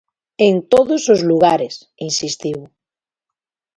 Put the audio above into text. "En todos os lugares", insistiu.